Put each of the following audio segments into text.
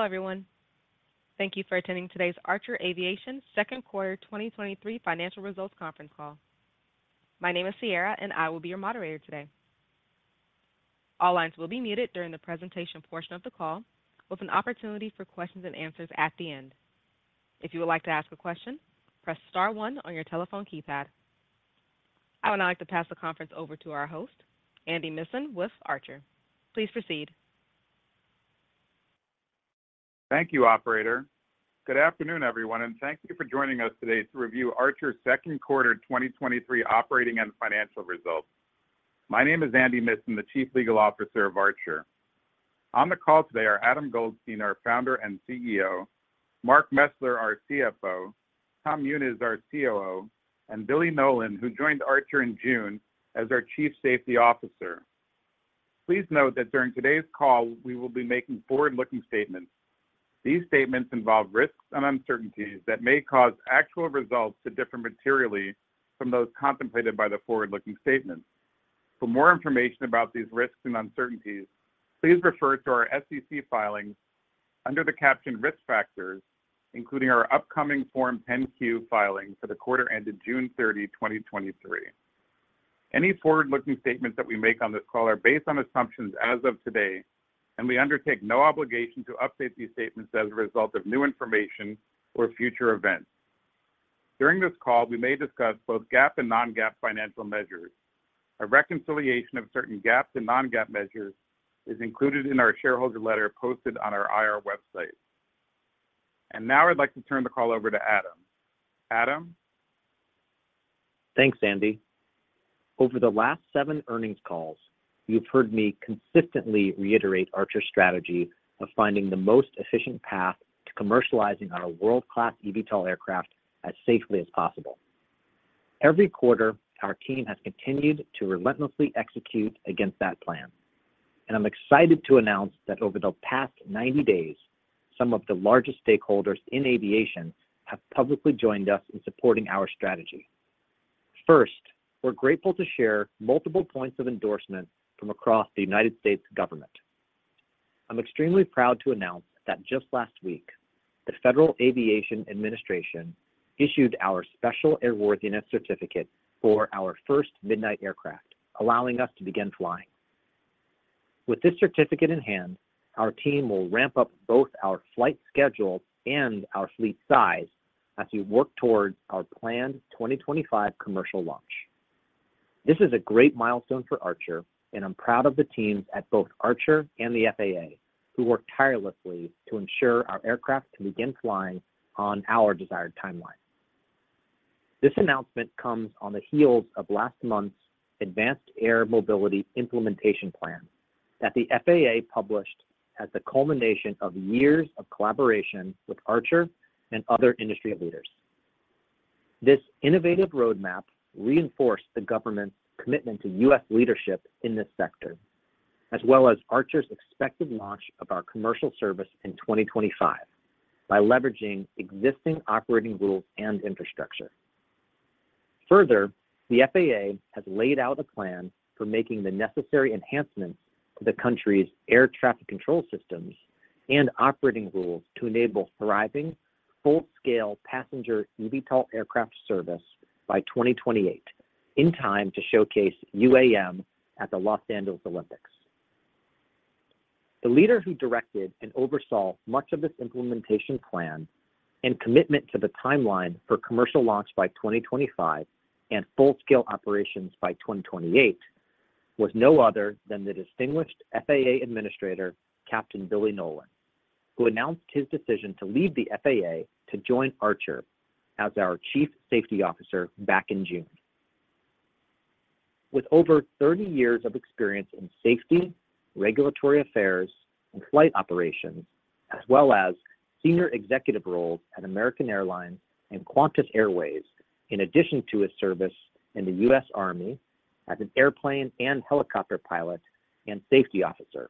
Hello, everyone. Thank you for attending today's Archer Aviation Second Quarter 2023 Financial Results Conference Call. My name is Sierra, and I will be your moderator today. All lines will be muted during the presentation portion of the call, with an opportunity for questions-and-answers at the end. If you would like to ask a question, press star one on your telephone keypad. I would now like to pass the conference over to our host, Andy Missan, with Archer. Please proceed. Thank you, operator. Good afternoon, everyone, and thank you for joining us today to review Archer's second quarter 2023 operating and financial results. My name is Andy Missan, the Chief Legal Officer of Archer. On the call today are Adam Goldstein, our founder and CEO; Mark Mesler, our CFO; Tom Muniz, our COO, and Billy Nolen, who joined Archer in June as our Chief Safety Officer. Please note that during today's call, we will be making forward-looking statements. These statements involve risks and uncertainties that may cause actual results to differ materially from those contemplated by the forward-looking statements. For more information about these risks and uncertainties, please refer to our SEC filings under the caption Risk Factors, including our upcoming Form 10-Q filing for the quarter ended June 30, 2023. Any forward-looking statements that we make on this call are based on assumptions as of today, and we undertake no obligation to update these statements as a result of new information or future events. During this call, we may discuss both GAAP and non-GAAP financial measures. A reconciliation of certain GAAP and non-GAAP measures is included in our shareholder letter posted on our IR website. Now I'd like to turn the call over to Adam. Adam? Thanks, Andy. Over the last seven earnings calls, you've heard me consistently reiterate Archer's strategy of finding the most efficient path to commercializing our world-class eVTOL aircraft as safely as possible. Every quarter, our team has continued to relentlessly execute against that plan, and I'm excited to announce that over the past 90 days, some of the largest stakeholders in aviation have publicly joined us in supporting our strategy. First, we're grateful to share multiple points of endorsement from across the United States government. I'm extremely proud to announce that just last week, the Federal Aviation Administration issued our Special Airworthiness Certificate for our first Midnight aircraft, allowing us to begin flying. With this certificate in hand, our team will ramp up both our flight schedule and our fleet size as we work towards our planned 2025 commercial launch. This is a great milestone for Archer. I'm proud of the teams at both Archer and the FAA, who worked tirelessly to ensure our aircraft can begin flying on our desired timeline. This announcement comes on the heels of last month's Advanced Air Mobility Implementation Plan that the FAA published as the culmination of years of collaboration with Archer and other industry leaders. This innovative roadmap reinforced the government's commitment to U.S. leadership in this sector, as well as Archer's expected launch of our commercial service in 2025 by leveraging existing operating rules and infrastructure. Further, the FAA has laid out a plan for making the necessary enhancements to the country's air traffic control systems and operating rules to enable thriving, full-scale passenger eVTOL aircraft service by 2028, in time to showcase UAM at the Los Angeles Olympics. The leader who directed and oversaw much of this implementation plan and commitment to the timeline for commercial launch by 2025 and full-scale operations by 2028 was no other than the distinguished FAA Administrator, Captain Billy Nolen, who announced his decision to leave the FAA to join Archer as our Chief Safety Officer back in June. With over 30 years of experience in safety, regulatory affairs, and flight operations, as well as senior executive roles at American Airlines and Qantas Airways, in addition to his service in the U.S. Army as an airplane and helicopter pilot and safety officer,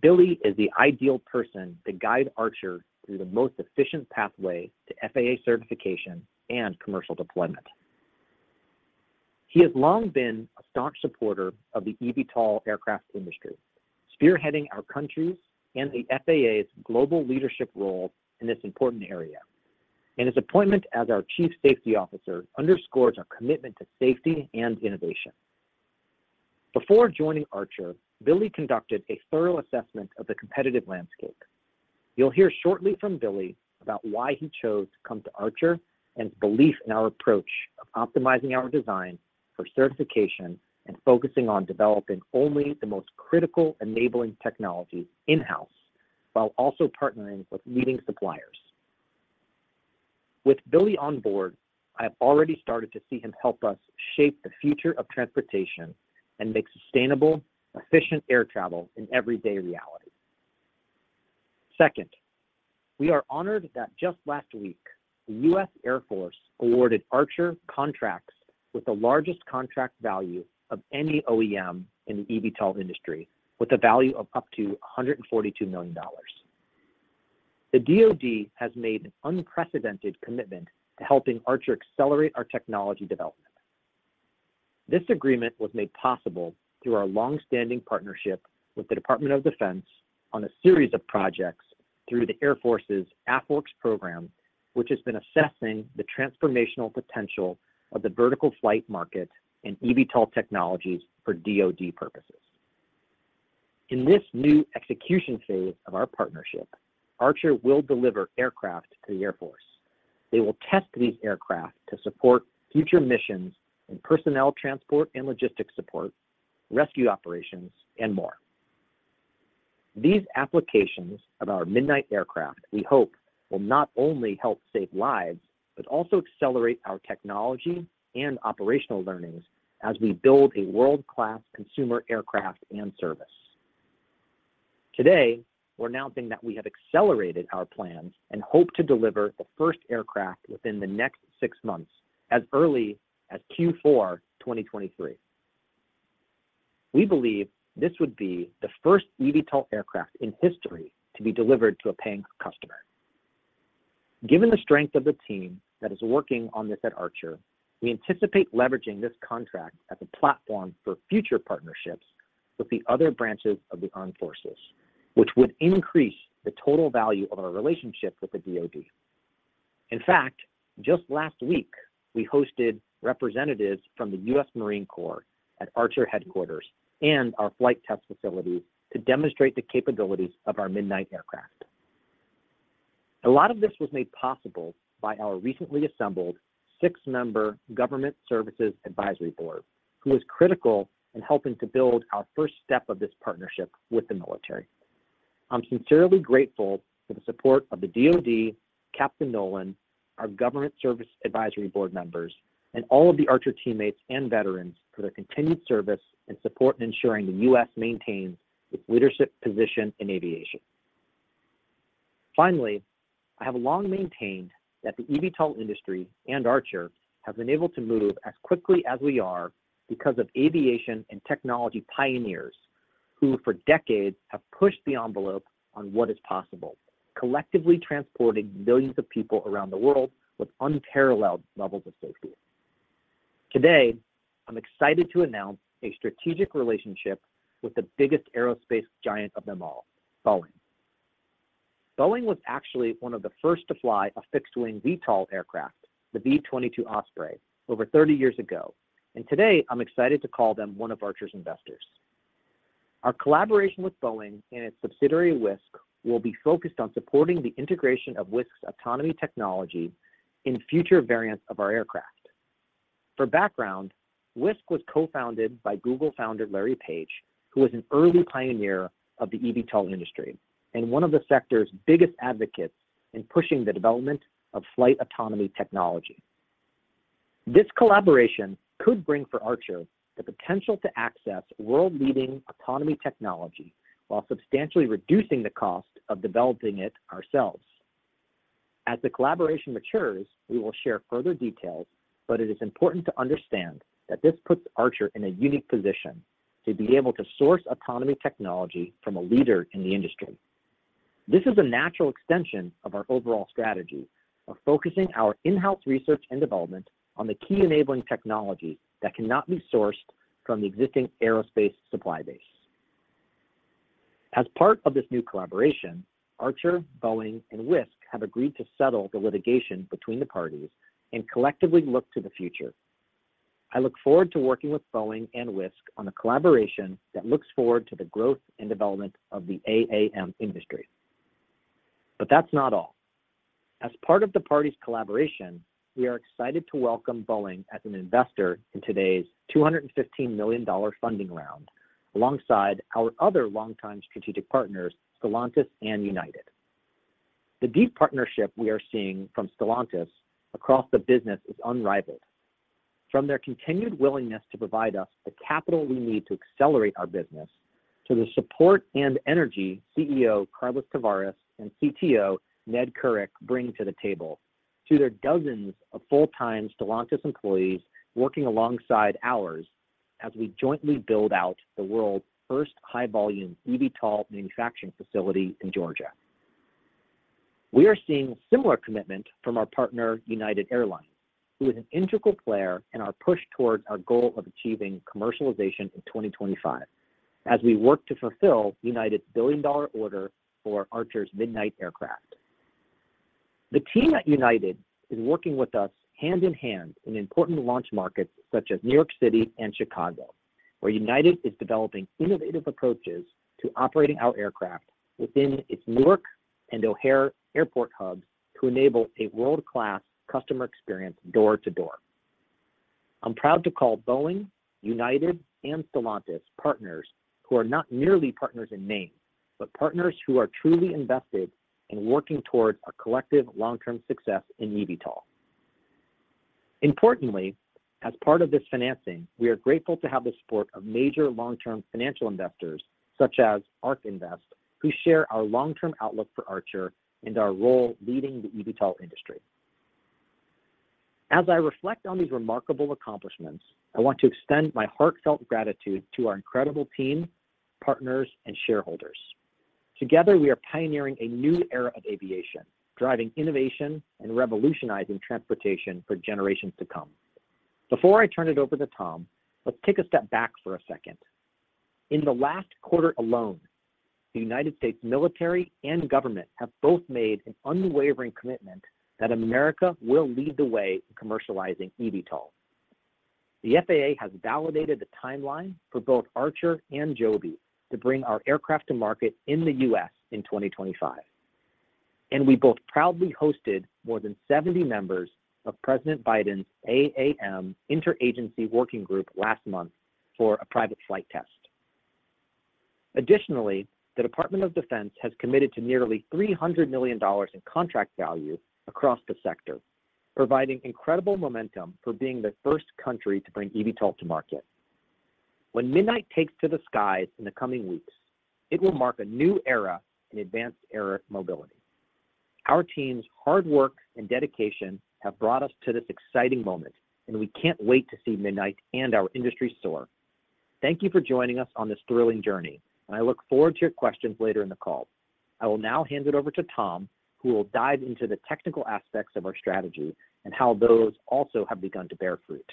Billy is the ideal person to guide Archer through the most efficient pathway to FAA certification and commercial deployment. He has long been a staunch supporter of the eVTOL aircraft industry, spearheading our country's and the FAA's global leadership role in this important area, and his appointment as our chief safety officer underscores our commitment to safety and innovation. Before joining Archer, Billy conducted a thorough assessment of the competitive landscape. You'll hear shortly from Billy about why he chose to come to Archer and his belief in our approach of optimizing our design for certification and focusing on developing only the most critical enabling technologies in-house, while also partnering with leading suppliers. With Billy on board, I have already started to see him help us shape the future of transportation and make sustainable, efficient air travel an everyday reality. Second, we are honored that just last week, the U.S. Air Force awarded Archer contracts with the largest contract value of any OEM in the eVTOL industry, with a value of up to $142 million. The DoD has made an unprecedented commitment to helping Archer accelerate our technology development.... This agreement was made possible through our long-standing partnership with the Department of Defense on a series of projects through the Air Force's AFWERX program, which has been assessing the transformational potential of the vertical flight market and eVTOL technologies for DoD purposes. In this new execution phase of our partnership, Archer will deliver aircraft to the Air Force. They will test these aircraft to support future missions in personnel transport and logistics support, rescue operations, and more. These applications of our Midnight aircraft, we hope, will not only help save lives, but also accelerate our technology and operational learnings as we build a world-class consumer aircraft and service. Today, we're announcing that we have accelerated our plans and hope to deliver the first aircraft within the next six months, as early as Q4 2023. We believe this would be the first eVTOL aircraft in history to be delivered to a paying customer. Given the strength of the team that is working on this at Archer, we anticipate leveraging this contract as a platform for future partnerships with the other branches of the armed forces, which would increase the total value of our relationship with the DoD. In fact, just last week, we hosted representatives from the U.S. Marine Corps at Archer headquarters and our flight test facility to demonstrate the capabilities of our Midnight aircraft. A lot of this was made possible by our recently assembled six-member Government Services Advisory Board, who was critical in helping to build our first step of this partnership with the military. I'm sincerely grateful for the support of the DoD, Captain Nolen, our Government Services Advisory Board members, and all of the Archer teammates and veterans for their continued service and support in ensuring the U.S. maintains its leadership position in aviation. Finally, I have long maintained that the eVTOL industry and Archer have been able to move as quickly as we are because of aviation and technology pioneers who for decades have pushed the envelope on what is possible, collectively transporting millions of people around the world with unparalleled levels of safety. Today, I'm excited to announce a strategic relationship with the biggest aerospace giant of them all, Boeing. Boeing was actually one of the first to fly a fixed-wing VTOL aircraft, the V-22 Osprey, over 30 years ago, and today I'm excited to call them one of Archer's investors. Our collaboration with Boeing and its subsidiary, Wisk, will be focused on supporting the integration of Wisk's autonomy technology in future variants of our aircraft. For background, Wisk was co-founded by Google founder Larry Page, who was an early pioneer of the eVTOL industry and one of the sector's biggest advocates in pushing the development of flight autonomy technology. This collaboration could bring for Archer the potential to access world-leading autonomy technology while substantially reducing the cost of developing it ourselves. As the collaboration matures, we will share further details, but it is important to understand that this puts Archer in a unique position to be able to source autonomy technology from a leader in the industry. This is a natural extension of our overall strategy of focusing our in-house research and development on the key enabling technology that cannot be sourced from the existing aerospace supply base. As part of this new collaboration, Archer, Boeing, and Wisk have agreed to settle the litigation between the parties and collectively look to the future. I look forward to working with Boeing and Wisk on a collaboration that looks forward to the growth and development of the AAM industry. That's not all. As part of the parties' collaboration, we are excited to welcome Boeing as an investor in today's $215 million funding round, alongside our other longtime strategic partners, Stellantis and United. The deep partnership we are seeing from Stellantis across the business is unrivaled. From their continued willingness to provide us the capital we need to accelerate our business, to the support and energy CEO Carlos Tavares and CTO Ned Curic bring to the table, to their dozens of full-time Stellantis employees working alongside ours as we jointly build out the world's first high-volume eVTOL manufacturing facility in Georgia. We are seeing similar commitment from our partner, United Airlines, who is an integral player in our push toward our goal of achieving commercialization in 2025 as we work to fulfill United's billion-dollar order for Archer's Midnight aircraft. The team at United is working with us hand in hand in important launch markets such as New York City and Chicago, where United is developing innovative approaches to operating our aircraft within its Newark and O'Hare Airport hubs to enable a world-class customer experience door to door. I'm proud to call Boeing, United, and Stellantis partners who are not merely partners in name, but partners who are truly invested in working towards a collective long-term success in eVTOL. Importantly, as part of this financing, we are grateful to have the support of major long-term financial investors such as ARK Invest, who share our long-term outlook for Archer and our role leading the eVTOL industry. As I reflect on these remarkable accomplishments, I want to extend my heartfelt gratitude to our incredible team, partners, and shareholders. Together, we are pioneering a new era of aviation, driving innovation and revolutionizing transportation for generations to come. Before I turn it over to Tom, let's take a step back for a second. In the last quarter alone, the U.S. military and government have both made an unwavering commitment that America will lead the way in commercializing eVTOL. The FAA has validated the timeline for both Archer and Joby to bring our aircraft to market in the U.S. in 2025. We both proudly hosted more than 70 members of President Biden's AAM Interagency Working Group last month for a private flight test. Additionally, the Department of Defense has committed to nearly $300 million in contract value across the sector, providing incredible momentum for being the first country to bring eVTOL to market. When Midnight takes to the skies in the coming weeks, it will mark a new era in Advanced Air Mobility. Our team's hard work and dedication have brought us to this exciting moment. We can't wait to see Midnight and our industry soar. Thank you for joining us on this thrilling journey. I look forward to your questions later in the call. I will now hand it over to Tom, who will dive into the technical aspects of our strategy and how those also have begun to bear fruit.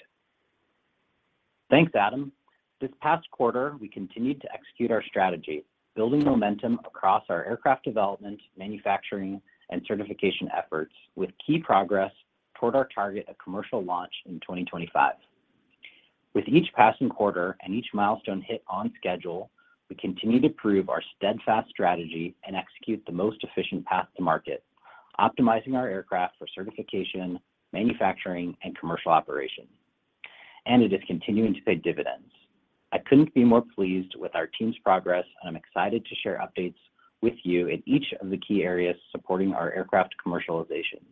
Thanks, Adam. This past quarter, we continued to execute our strategy, building momentum across our aircraft development, manufacturing, and certification efforts, with key progress toward our target of commercial launch in 2025. It is continuing to pay dividends. I couldn't be more pleased with our team's progress, and I'm excited to share updates with you in each of the key areas supporting our aircraft commercialization.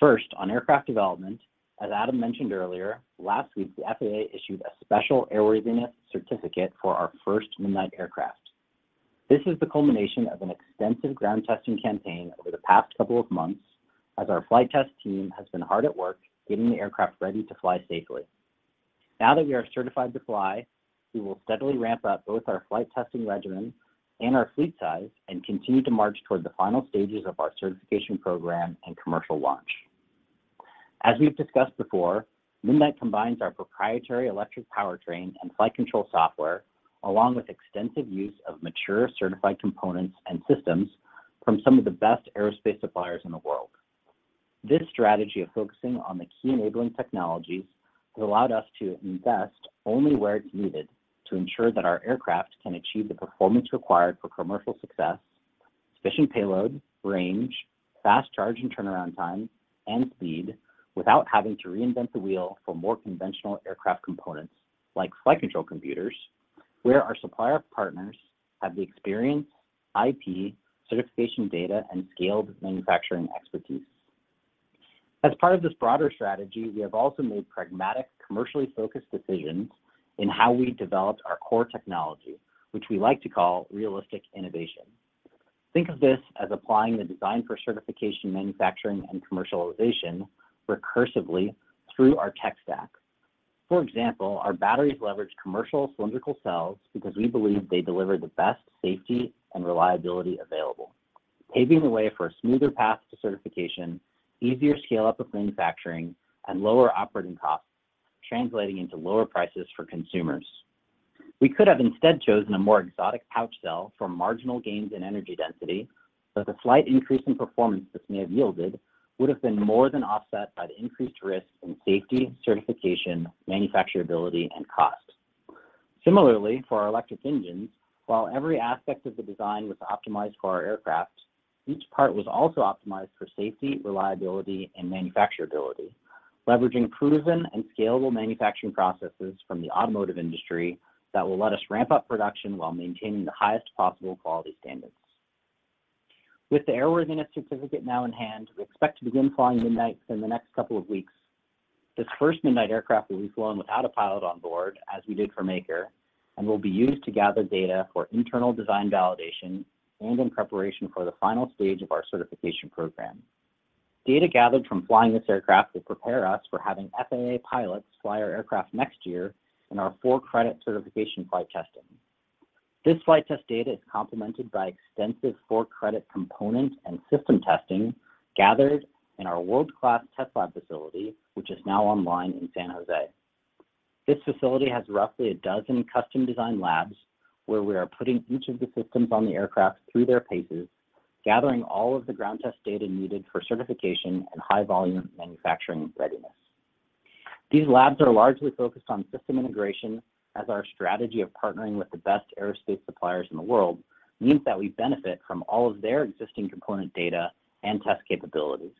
First, on aircraft development, as Adam mentioned earlier, last week, the FAA issued a Special Airworthiness Certificate for our first Midnight aircraft. This is the culmination of an extensive ground testing campaign over the past couple of months, as our flight test team has been hard at work getting the aircraft ready to fly safely. Now that we are certified to fly, we will steadily ramp up both our flight testing regimen and our fleet size and continue to march toward the final stages of our certification program and commercial launch. As we've discussed before, Midnight combines our proprietary electric powertrain and flight control software, along with extensive use of mature, certified components and systems from some of the best aerospace suppliers in the world. This strategy of focusing on the key enabling technologies has allowed us to invest only where it's needed to ensure that our aircraft can achieve the performance required for commercial success, sufficient payload, range, fast charge and turnaround time, and speed without having to reinvent the wheel for more conventional aircraft components like flight control computers, where our supplier partners have the experience, IP, certification data, and scaled manufacturing expertise. As part of this broader strategy, we have also made pragmatic, commercially focused decisions in how we developed our core technology, which we like to call realistic innovation. Think of this as applying the design for certification, manufacturing, and commercialization recursively through our tech stack. For example, our batteries leverage commercial cylindrical cells because we believe they deliver the best safety and reliability available, paving the way for a smoother path to certification, easier scale-up of manufacturing, and lower operating costs, translating into lower prices for consumers. We could have instead chosen a more exotic pouch cell for marginal gains in energy density, but the slight increase in performance this may have yielded would have been more than offset by the increased risk in safety, certification, manufacturability, and cost. Similarly, for our electric engines, while every aspect of the design was optimized for our aircraft, each part was also optimized for safety, reliability, and manufacturability, leveraging proven and scalable manufacturing processes from the automotive industry that will let us ramp up production while maintaining the highest possible quality standards. With the airworthiness certificate now in hand, we expect to begin flying Midnight within the next couple of weeks. This first Midnight aircraft will be flown without a pilot on board, as we did for Maker, and will be used to gather data for internal design validation and in preparation for the final stage of our certification program. Data gathered from flying this aircraft will prepare us for having FAA pilots fly our aircraft next year in our full credit certification flight testing. This flight test data is complemented by extensive full credit component and system testing gathered in our world-class test lab facility, which is now online in San Jose. This facility has roughly a dozen custom-designed labs where we are putting each of the systems on the aircraft through their paces, gathering all of the ground test data needed for certification and high-volume manufacturing readiness. These labs are largely focused on system integration, as our strategy of partnering with the best aerospace suppliers in the world means that we benefit from all of their existing component data and test capabilities,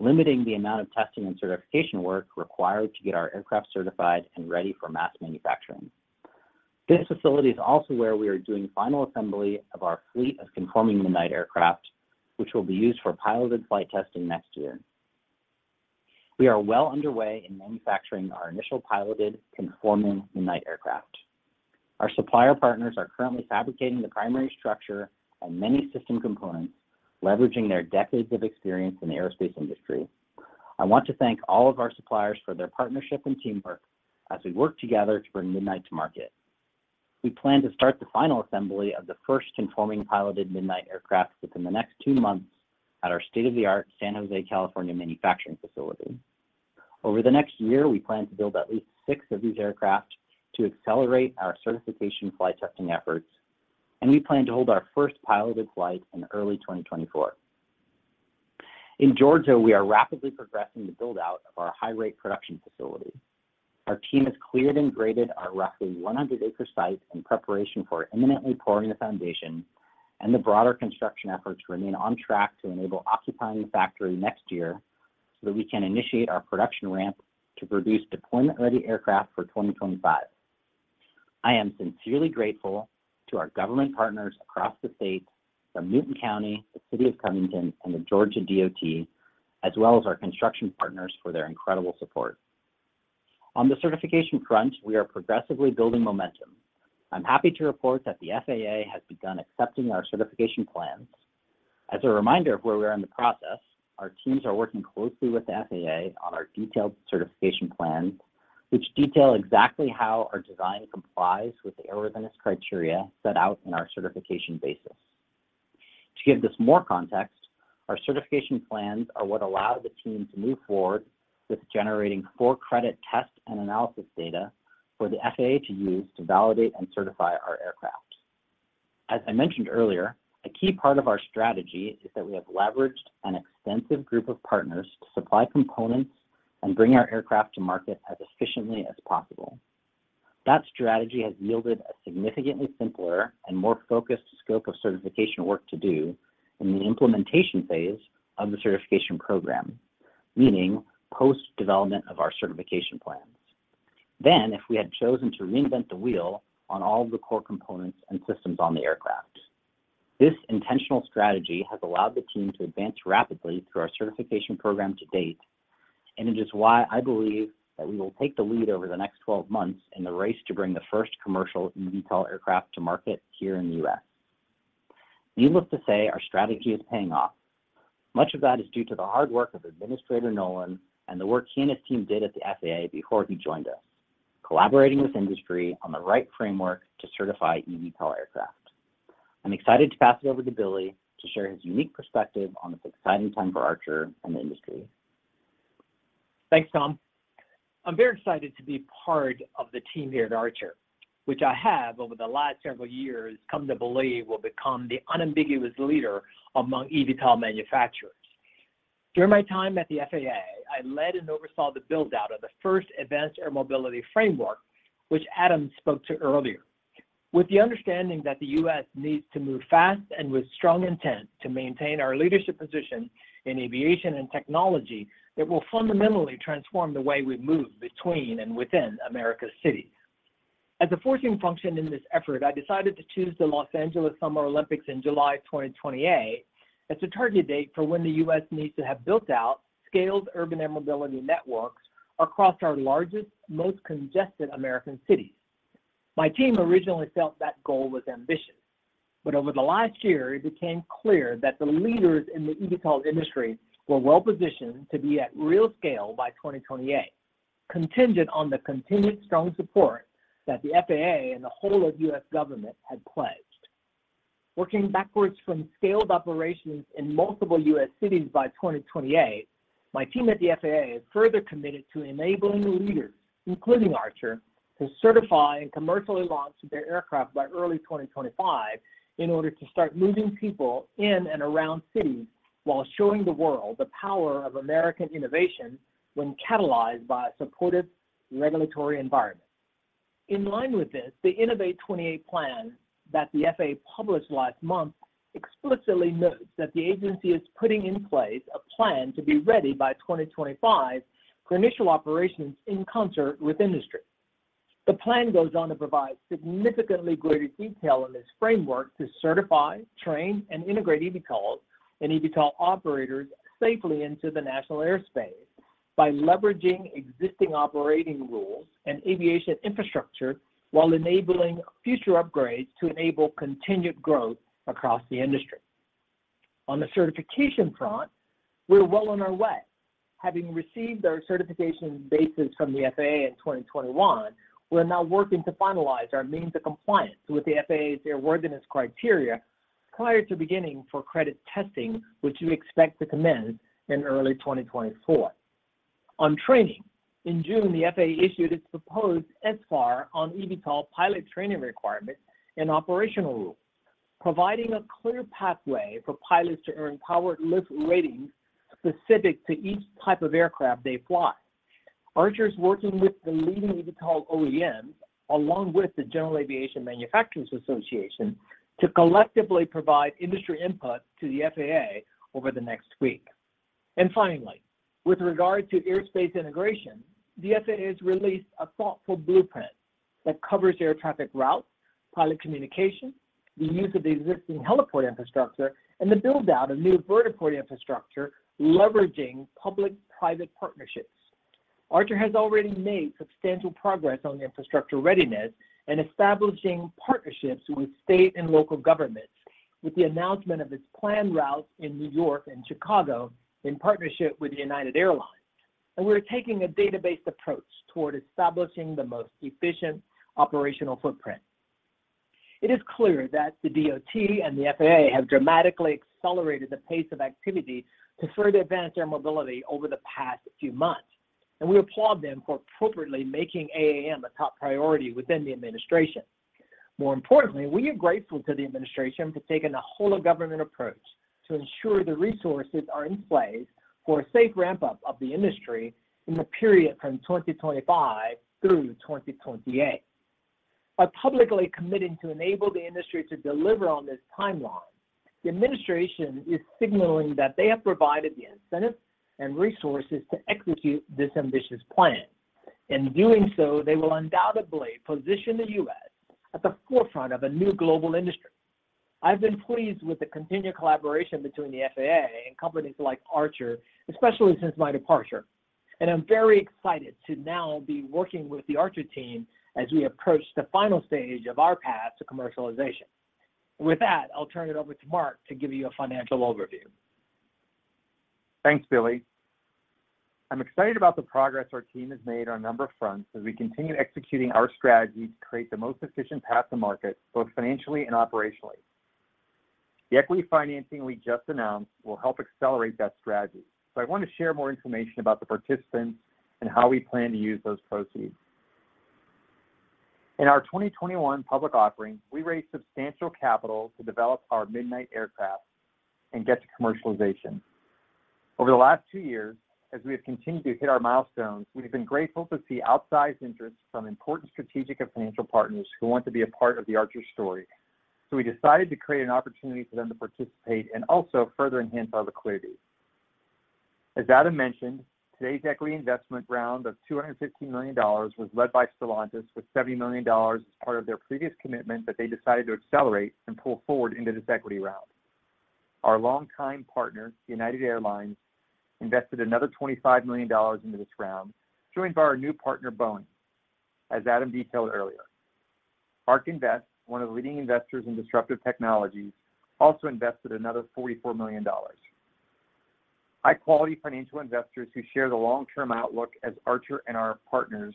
limiting the amount of testing and certification work required to get our aircraft certified and ready for mass manufacturing. This facility is also where we are doing final assembly of our fleet of conforming Midnight aircraft, which will be used for piloted flight testing next year. We are well underway in manufacturing our initial piloted conforming Midnight aircraft. Our supplier partners are currently fabricating the primary structure and many system components, leveraging their decades of experience in the aerospace industry. I want to thank all of our suppliers for their partnership and teamwork as we work together to bring Midnight to market. We plan to start the final assembly of the first conforming piloted Midnight aircraft within the next two months at our state-of-the-art San Jose, California, manufacturing facility. Over the next year, we plan to build at least six of these aircraft to accelerate our certification flight testing efforts, we plan to hold our first piloted flight in early 2024. In Georgia, we are rapidly progressing the build-out of our high-rate production facility. Our team has cleared and graded our roughly 100 acre site in preparation for imminently pouring the foundation, and the broader construction efforts remain on track to enable occupying the factory next year, so that we can initiate our production ramp to produce deployment-ready aircraft for 2025. I am sincerely grateful to our government partners across the state, from Newton County, the City of Covington, and the Georgia DOT, as well as our construction partners for their incredible support. On the certification front, we are progressively building momentum. I'm happy to report that the FAA has begun accepting our certification plans. As a reminder of where we are in the process, our teams are working closely with the FAA on our detailed certification plans, which detail exactly how our design complies with the airworthiness criteria set out in our Certification Basis. To give this more context, our certification plans are what allow the team to move forward with generating for-credit test and analysis data for the FAA to use to validate and certify our aircraft. As I mentioned earlier, a key part of our strategy is that we have leveraged an extensive group of partners to supply components and bring our aircraft to market as efficiently as possible. That strategy has yielded a significantly simpler and more focused scope of certification work to do in the implementation phase of the certification program, meaning post-development of our certification plans. If we had chosen to reinvent the wheel on all the core components and systems on the aircraft, this intentional strategy has allowed the team to advance rapidly through our certification program to date, and it is why I believe that we will take the lead over the next 12 months in the race to bring the first commercial eVTOL aircraft to market here in the U.S. Needless to say, our strategy is paying off. Much of that is due to the hard work of Administrator Nolen and the work he and his team did at the FAA before he joined us, collaborating with industry on the right framework to certify eVTOL aircraft. I'm excited to pass it over to Billy to share his unique perspective on this exciting time for Archer and the industry. Thanks, Tom. I'm very excited to be part of the team here at Archer, which I have over the last several years, come to believe will become the unambiguous leader among eVTOL manufacturers. During my time at the FAA, I led and oversaw the build-out of the first Advanced Air Mobility framework, which Adam spoke to earlier. With the understanding that the U.S. needs to move fast and with strong intent to maintain our leadership position in aviation and technology, it will fundamentally transform the way we move between and within America's cities. As a forcing function in this effort, I decided to choose the Los Angeles Summer Olympics in July 2028 as a target date for when the U.S. needs to have built out scaled Urban Air Mobility networks across our largest, most congested American cities. My team originally felt that goal was ambitious, but over the last year, it became clear that the leaders in the eVTOL industry were well-positioned to be at real scale by 2028, contingent on the continued strong support that the FAA and the whole of U.S. government had pledged. Working backwards from scaled operations in multiple U.S. cities by 2028, my team at the FAA is further committed to enabling the leaders, including Archer, to certify and commercially launch their aircraft by early 2025 in order to start moving people in and around cities while showing the world the power of American innovation when catalyzed by a supportive regulatory environment. In line with this, the Innovate28 plan that the FAA published last month explicitly notes that the agency is putting in place a plan to be ready by 2025 for initial operations in concert with industry. The plan goes on to provide significantly greater detail in this framework to certify, train, and integrate eVTOLs and eVTOL operators safely into the national airspace by leveraging existing operating rules and aviation infrastructure, while enabling future upgrades to enable continued growth across the industry. On the certification front, we're well on our way. Having received our Certification Basis from the FAA in 2021, we're now working to finalize our means of compliance with the FAA's airworthiness criteria prior to beginning For-Credit Testing, which we expect to commence in early 2024. On training, in June, the FAA issued its proposed SFAR on eVTOL pilot training requirements and operational rules, providing a clear pathway for pilots to earn powered lift ratings specific to each type of aircraft they fly. Archer is working with the leading eVTOL OEMs, along with the General Aviation Manufacturers Association, to collectively provide industry input to the FAA over the next week. Finally, with regard to airspace integration, the FAA has released a thoughtful blueprint that covers air traffic routes, pilot communication, the use of the existing heliport infrastructure, and the build-out of new vertiport infrastructure, leveraging public-private partnerships.... Archer has already made substantial progress on infrastructure readiness and establishing partnerships with state and local governments, with the announcement of its planned routes in New York and Chicago in partnership with United Airlines. We're taking a data-based approach toward establishing the most efficient operational footprint. It is clear that the DOT and the FAA have dramatically accelerated the pace of activity to further advance air mobility over the past few months. We applaud them for appropriately making AAM a top priority within the administration. More importantly, we are grateful to the administration for taking a whole-of-government approach to ensure the resources are in place for a safe ramp-up of the industry in the period from 2025 through 2028. By publicly committing to enable the industry to deliver on this timeline, the administration is signaling that they have provided the incentives and resources to execute this ambitious plan. In doing so, they will undoubtedly position the U.S. at the forefront of a new global industry. I've been pleased with the continued collaboration between the FAA and companies like Archer, especially since my departure. I'm very excited to now be working with the Archer team as we approach the final stage of our path to commercialization. With that, I'll turn it over to Mark to give you a financial overview. Thanks, Billy. I'm excited about the progress our team has made on a number of fronts as we continue executing our strategy to create the most efficient path to market, both financially and operationally. The equity financing we just announced will help accelerate that strategy, I want to share more information about the participants and how we plan to use those proceeds. In our 2021 public offering, we raised substantial capital to develop our Midnight aircraft and get to commercialization. Over the last two years, as we have continued to hit our milestones, we've been grateful to see outsized interest from important strategic and financial partners who want to be a part of the Archer story. We decided to create an opportunity for them to participate and also further enhance our liquidity. As Adam mentioned, today's equity investment round of $250 million was led by Stellantis, with $70 million as part of their previous commitment that they decided to accelerate and pull forward into this equity round. Our longtime partner, United Airlines, invested another $25 million into this round, joined by our new partner, Boeing, as Adam detailed earlier. ARK Invest, one of the leading investors in disruptive technologies, also invested another $44 million. High-quality financial investors who share the long-term outlook as Archer and our partners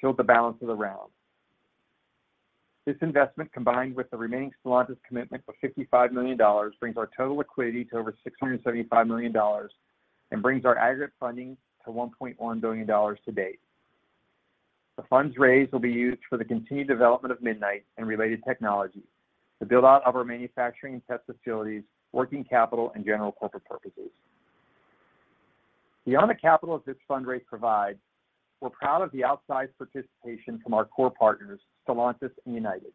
filled the balance of the round. This investment, combined with the remaining Stellantis commitment of $55 million, brings our total liquidity to over $675 million and brings our aggregate funding to $1.1 billion to date. The funds raised will be used for the continued development of Midnight and related technologies, the build-out of our manufacturing and test facilities, working capital, and general corporate purposes. Beyond the capital this fundraise provides, we're proud of the outsized participation from our core partners, Stellantis and United.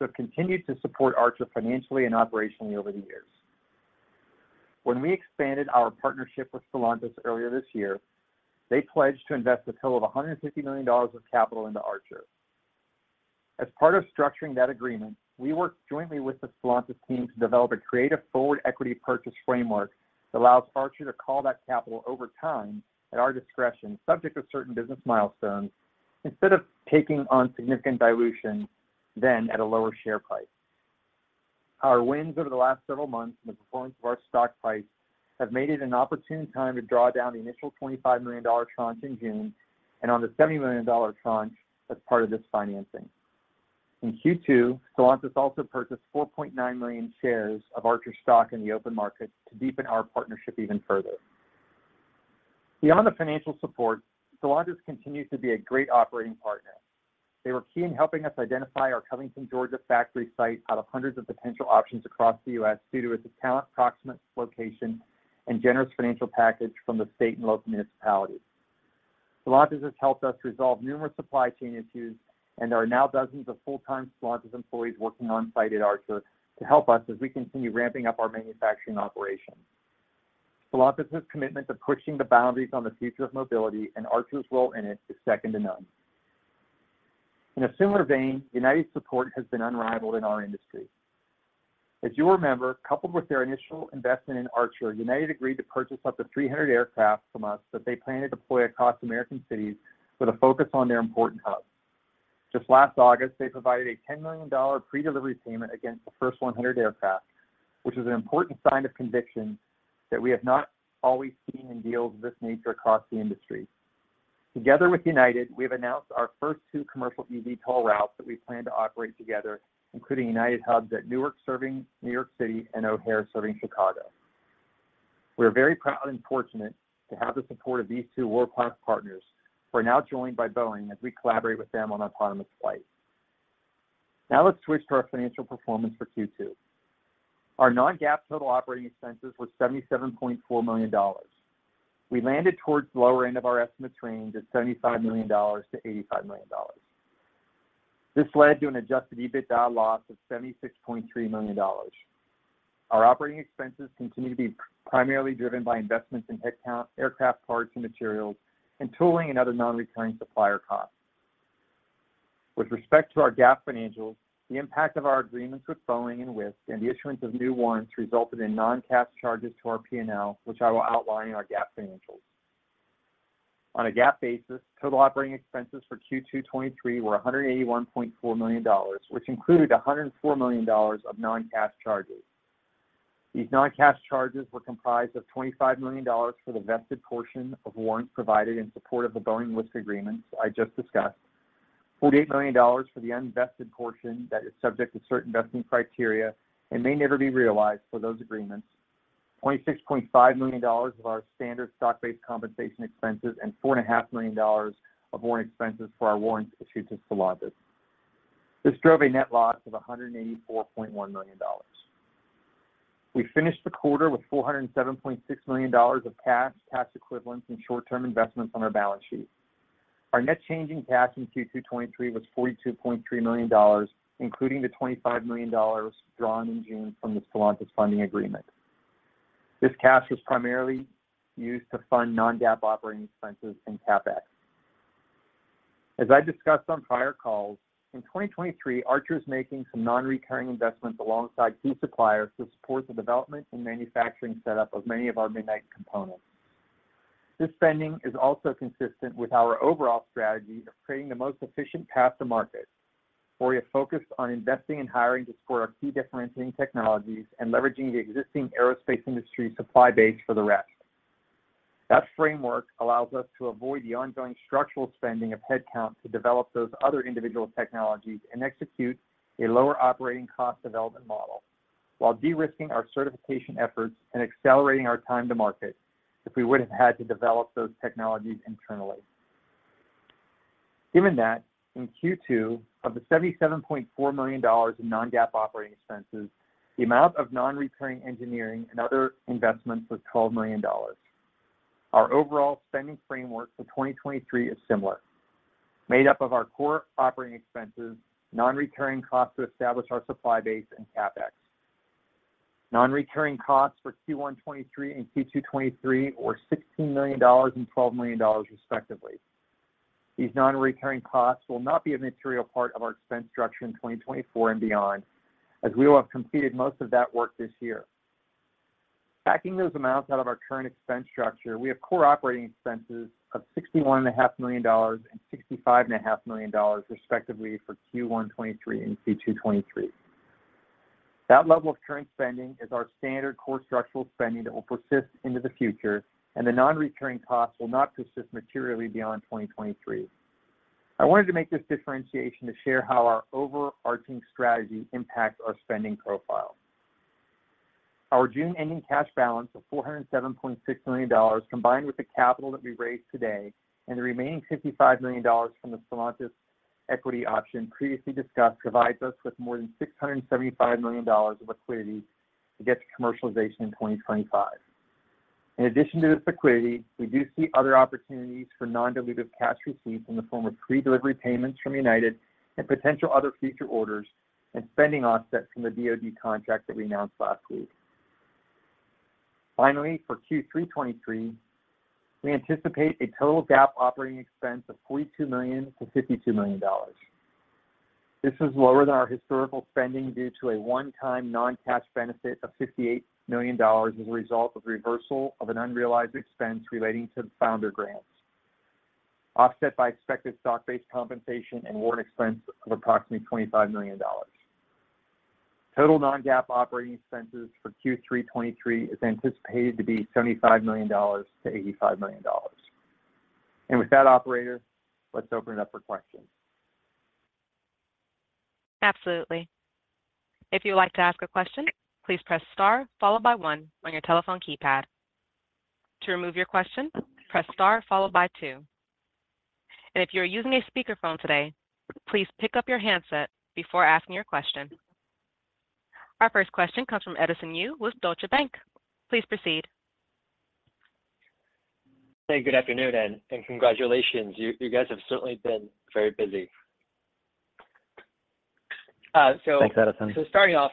It continues to support Archer financially and operationally over the years. When we expanded our partnership with Stellantis earlier this year, they pledged to invest a total of $150 million of capital into Archer. As part of structuring that agreement, we worked jointly with the Stellantis team to develop a creative forward equity purchase framework that allows Archer to call that capital over time at our discretion, subject to certain business milestones, instead of taking on significant dilution then at a lower share price. Our wins over the last several months and the performance of our stock price have made it an opportune time to draw down the initial $25 million tranche in June and on the $70 million tranche as part of this financing. In Q2, Stellantis also purchased 4.9 million shares of Archer stock in the open market to deepen our partnership even further. Beyond the financial support, Stellantis continues to be a great operating partner. They were key in helping us identify our Covington, Georgia, factory site out of hundreds of potential options across the U.S. due to its talent-proximate location and generous financial package from the state and local municipality. Stellantis has helped us resolve numerous supply chain issues, and there are now dozens of full-time Stellantis employees working on-site at Archer to help us as we continue ramping up our manufacturing operations. Stellantis' commitment to pushing the boundaries on the future of mobility and Archer's role in it is second to none. In a similar vein, United's support has been unrivaled in our industry. As you remember, coupled with their initial investment in Archer, United agreed to purchase up to 300 aircraft from us that they plan to deploy across American cities with a focus on their important hubs. Just last August, they provided a $10 million pre-delivery payment against the first 100 aircraft, which is an important sign of conviction that we have not always seen in deals of this nature across the industry. Together with United, we have announced our first two commercial eVTOL routes that we plan to operate together, including United hubs at Newark, serving New York City, and O'Hare, serving Chicago. We're very proud and fortunate to have the support of these two world-class partners, who are now joined by Boeing as we collaborate with them on autonomous flight. Let's switch to our financial performance for Q2. Our non-GAAP total operating expenses were $77.4 million. We landed towards the lower end of our estimate range at $75 million-$85 million. This led to an adjusted EBITDA loss of $76.3 million. Our operating expenses continue to be primarily driven by investments in headcount, aircraft parts and materials, and tooling and other non-recurring supplier costs.... With respect to our GAAP financials, the impact of our agreements with Boeing and Wisk, and the issuance of new warrants, resulted in non-cash charges to our P&L, which I will outline in our GAAP financials. On a GAAP basis, total operating expenses for Q2 '23 were $181.4 million, which included $104 million of non-cash charges. These non-cash charges were comprised of $25 million for the vested portion of warrants provided in support of the Boeing-Wisk agreements I just discussed, $48 million for the unvested portion that is subject to certain vesting criteria and may never be realized for those agreements, $26.5 million of our standard stock-based compensation expenses, and $4.5 million of warrant expenses for our warrants issued to Stellantis. This drove a net loss of $184.1 million. We finished the quarter with $407.6 million of cash, cash equivalents, and short-term investments on our balance sheet. Our net change in cash in Q2 '23 was $42.3 million, including the $25 million drawn in June from the Stellantis funding agreement. This cash was primarily used to fund non-GAAP operating expenses and CapEx. As I discussed on prior calls, in 2023, Archer is making some non-recurring investments alongside key suppliers to support the development and manufacturing setup of many of our Midnight components. This spending is also consistent with our overall strategy of creating the most efficient path to market, where we have focused on investing and hiring to support our key differentiating technologies and leveraging the existing aerospace industry supply base for the rest. That framework allows us to avoid the ongoing structural spending of headcount to develop those other individual technologies and execute a lower operating cost development model, while de-risking our certification efforts and accelerating our time to market if we wouldn't have had to develop those technologies internally. Given that, in Q2, of the $77.4 million in non-GAAP operating expenses, the amount of non-recurring engineering and other investments was $12 million. Our overall spending framework for 2023 is similar, made up of our core operating expenses, non-recurring costs to establish our supply base, and CapEx. Non-recurring costs for Q1 2023 and Q2 2023 were $16 million and $12 million, respectively. These non-recurring costs will not be a material part of our expense structure in 2024 and beyond, as we will have completed most of that work this year. Backing those amounts out of our current expense structure, we have core operating expenses of $61.5 million-$65.5 million, respectively, for Q1 2023 and Q2 2023. That level of current spending is our standard core structural spending that will persist into the future, and the non-recurring costs will not persist materially beyond 2023. I wanted to make this differentiation to share how our overarching strategy impacts our spending profile. Our June-ending cash balance of $407.6 million, combined with the capital that we raised today and the remaining $55 million from the Stellantis equity option previously discussed, provides us with more than $675 million of liquidity to get to commercialization in 2025. In addition to this liquidity, we do see other opportunities for non-dilutive cash receipts in the form of pre-delivery payments from United and potential other future orders and spending offsets from the DoD contract that we announced last week. Finally, for Q3 '23, we anticipate a total GAAP operating expense of $42 million-$52 million. This is lower than our historical spending due to a one-time non-cash benefit of $58 million as a result of reversal of an unrealized expense relating to founder grants, offset by expected stock-based compensation and warrant expense of approximately $25 million. Total non-GAAP operating expenses for Q3 '23 is anticipated to be $75 million-$85 million. With that, operator, let's open it up for questions. Absolutely. If you'd like to ask a question, please press star one on your telephone keypad. To remove your question, press star two. If you are using a speakerphone today, please pick up your handset before asking your question. Our first question comes from Edison Yu with Deutsche Bank. Please proceed. Hey, good afternoon, and congratulations. You guys have certainly been very busy. Thanks, Edison. Starting off,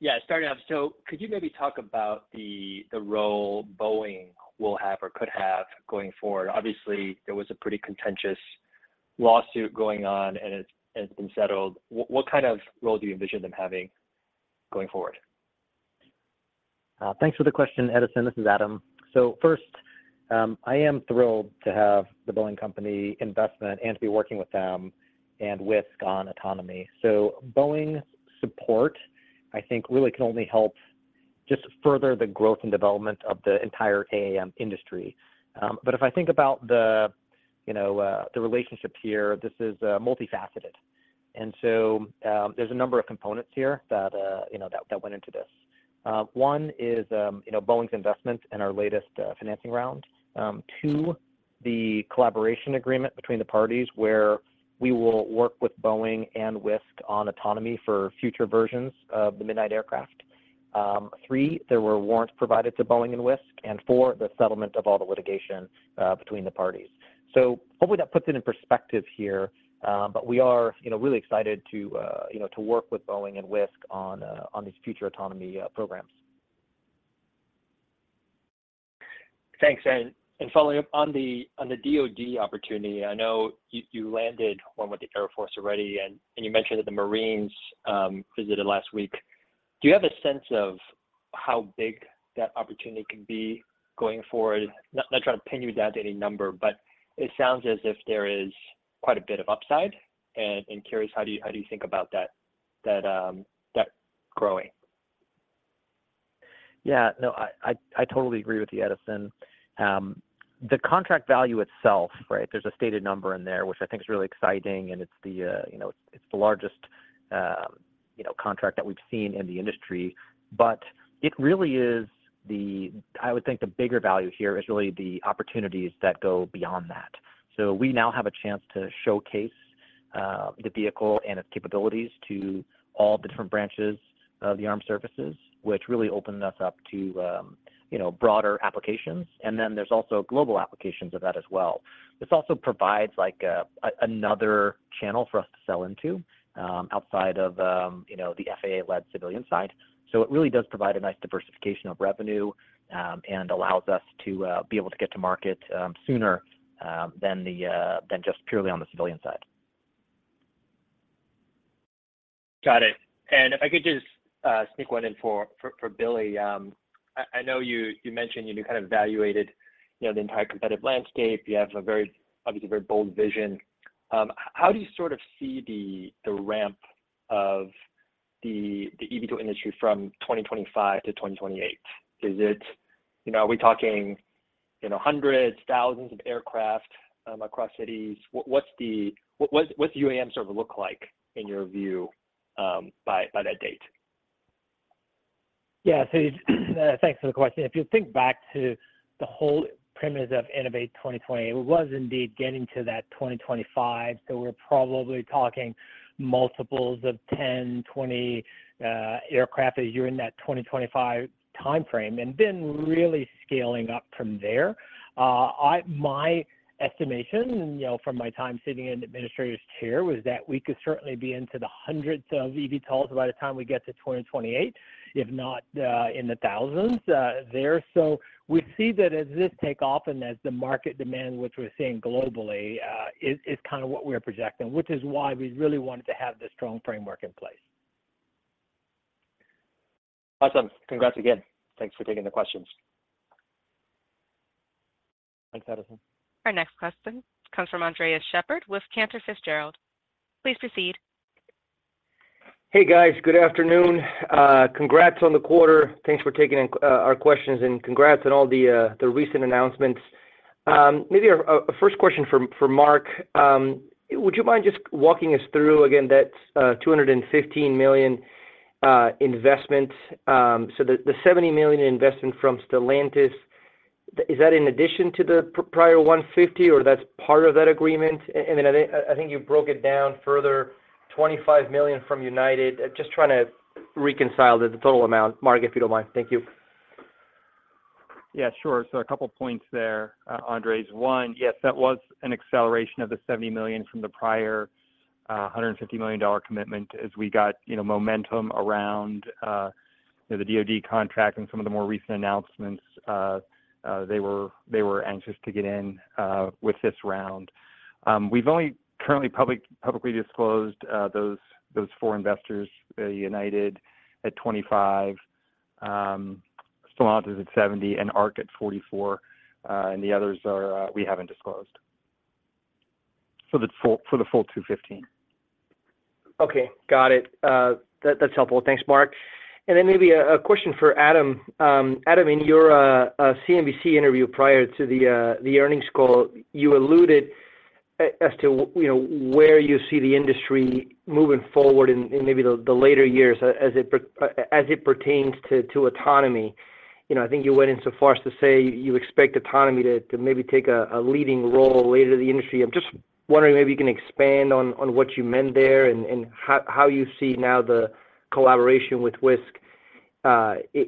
Yeah, starting off, could you maybe talk about the, the role Boeing will have or could have going forward? Obviously, there was a pretty contentious lawsuit going on, and it's, it's been settled. What, what kind of role do you envision them having going forward? Thanks for the question, Edison. This is Adam. First, I am thrilled to have the Boeing Company investment and to be working with them and Wisk on autonomy. Boeing support, I think, really can only help just further the growth and development of the entire AAM industry. If I think about the, you know, the relationships here, this is multifaceted. There's a number of components here that, you know, that, that went into this. One is, you know, Boeing's investment in our latest financing round. Two, the collaboration agreement between the parties, where we will work with Boeing and Wisk on autonomy for future versions of the Midnight aircraft. Three, there were warrants provided to Boeing and Wisk, and four, the settlement of all the litigation between the parties. Hopefully, that puts it in perspective here, but we are, you know, really excited to, you know, to work with Boeing and Wisk on these future autonomy programs. Thanks. Following up on the, on the DoD opportunity, I know you, you landed one with the Air Force already, and, and you mentioned that the Marines visited last week. Do you have a sense of how big that opportunity can be going forward? Not, not trying to pin you down to any number, but it sounds as if there is quite a bit of upside. Curious, how do you, how do you think about that, that growing? Yeah, no, I, I, I totally agree with you, Edison. The contract value itself, right? There's a stated number in there, which I think is really exciting, and it's the, you know, it's the largest, you know, contract that we've seen in the industry. It really is the I would think the bigger value here is really the opportunities that go beyond that. We now have a chance to showcase the vehicle and its capabilities to all the different branches of the armed services, which really opens us up to, you know, broader applications. There's also global applications of that as well. This also provides like a another channel for us to sell into, outside of, you know, the FAA-led civilian side. It really does provide a nice diversification of revenue, and allows us to be able to get to market sooner than the than just purely on the civilian side. Got it. And if I could just sneak one in for, for, for Billy. I, I know you, you mentioned you kind of evaluated, you know, the entire competitive landscape. You have a very, obviously, very bold vision. How do you sort of see the, the ramp of the, the eVTOL industry from 2025 to 2028? Is it... You know, are we talking, you know, hundreds, thousands of aircraft across cities? What, what does the UAM sort of look like in your view by, by that date? Yeah. Thanks for the question. If you think back to the whole premise of Innovate28, it was indeed getting to that 2025. We're probably talking multiples of 10, 20, aircraft as you're in that 2025 timeframe, and then really scaling up from there. My estimation, you know, from my time sitting in the administrator's chair, was that we could certainly be into the hundreds of eVTOLs by the time we get to 2028, if not, in the thousands, there. We see that as this take off and as the market demand, which we're seeing globally, is, is kind of what we're projecting, which is why we really wanted to have this strong framework in place. Awesome. Congrats again. Thanks for taking the questions. Thanks, Edison. Our next question comes from Andres Sheppard with Cantor Fitzgerald. Please proceed. Hey, guys. Good afternoon. Congrats on the quarter. Thanks for taking our questions, and congrats on all the recent announcements. Maybe a first question for Mark. Would you mind just walking us through again that $215 million investment? The $70 million investment from Stellantis, is that in addition to the prior $150, or that's part of that agreement? I think you broke it down further, $25 million from United. Just trying to reconcile the total amount, Mark, if you don't mind. Thank you. Yeah, sure. A couple points there, Andres. One, yes, that was an acceleration of the $70 million from the prior $150 million dollar commitment. As we got, you know, momentum around, you know, the DoD contract and some of the more recent announcements, they were anxious to get in with this round. We've only currently publicly disclosed those four investors, United at $25, Stellantis at $70, and Ark at $44, and the others are, we haven't disclosed. For the full, for the full $215. Okay, got it. That's helpful. Thanks, Mark. Maybe a question for Adam. Adam, in your CNBC interview prior to the Earnings Call, you alluded as to, you know, where you see the industry moving forward in maybe the later years as it pertains to autonomy. You know, I think you went in so far as to say you expect autonomy to maybe take a leading role later in the industry. I'm just wondering maybe you can expand on what you meant there and how you see now the collaboration with Wisk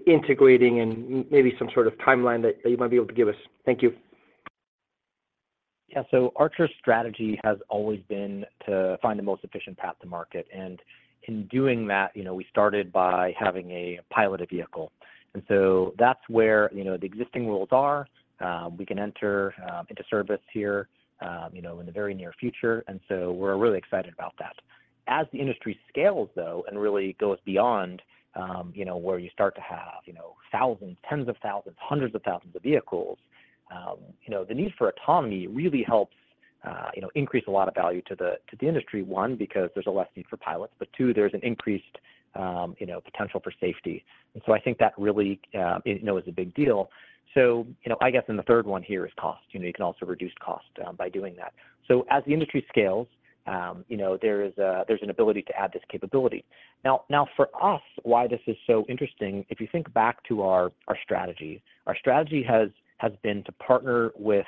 integrating and maybe some sort of timeline that you might be able to give us. Thank you. Yeah. Archer's strategy has always been to find the most efficient path to market. In doing that, you know, we started by having a piloted vehicle. That's where, you know, the existing rules are. We can enter into service here, you know, in the very near future, and so we're really excited about that. As the industry scales, though, and really goes beyond, you know, where you start to have, you know, thousands, tens of thousands, hundreds of thousands of vehicles, you know, the need for autonomy really helps, you know, increase a lot of value to the, to the industry, one, because there's a less need for pilots, but two, there's an increased, you know, potential for safety. I think that really, you know, is a big deal. I guess then the third one here is cost. You can also reduce cost by doing that. As the industry scales, there's an ability to add this capability. For us, why this is so interesting, if you think back to our, our strategy, our strategy has, has been to partner with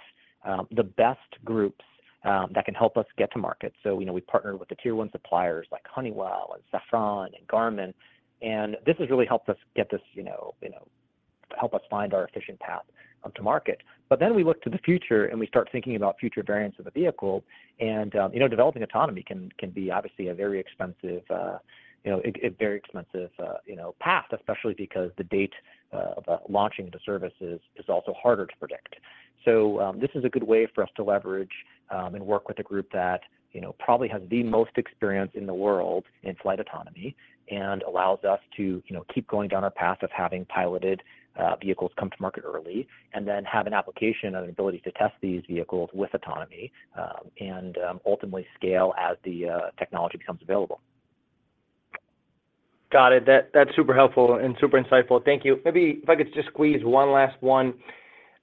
the best groups that can help us get to market. We partnered with the tier one suppliers like Honeywell and Safran and Garmin, and this has really helped us get this help us find our efficient path to market. Then we look to the future, and we start thinking about future variants of the vehicle. You know, developing autonomy can be obviously a very expensive, you know, path, especially because the date of launching into services is also harder to predict. This is a good way for us to leverage and work with a group that, you know, probably has the most experience in the world in flight autonomy and allows us to, you know, keep going down our path of having piloted vehicles come to market early, and then have an application and an ability to test these vehicles with autonomy, and ultimately scale as the technology becomes available. Got it. That, that's super helpful and super insightful. Thank you. Maybe if I could just squeeze one last one.